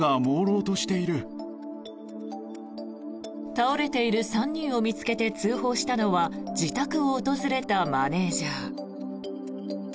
倒れている３人を見つけて通報したのは自宅を訪れたマネジャー。